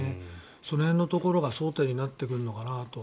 その辺のところが争点になってくるのかなと。